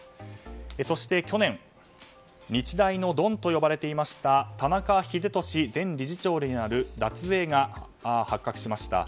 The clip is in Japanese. そして去年日大のドンと呼ばれていました田中英寿前理事長による脱税が発覚しました。